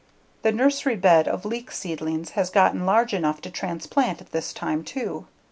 The nursery bed of leek seedlings has gotten large enough to transplant at this time, too.